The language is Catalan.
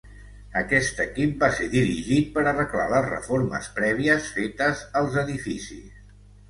Aquest equip va ser dirigit per arreglar les reformes prèvies fetes als edificis.